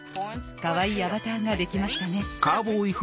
かわいいアバターができましたね。